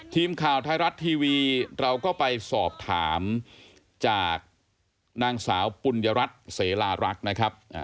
ทีมข่าวไทยรัฐทีวีเราก็ไปสอบถามจากนางสาวปุญญรัฐเสลารักษ์นะครับ